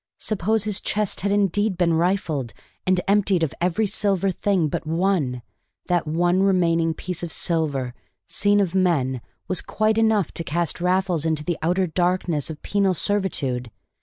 Suppose his chest had indeed been rifled, and emptied of every silver thing but one; that one remaining piece of silver, seen of men, was quite enough to cast Raffles into the outer darkness of penal servitude!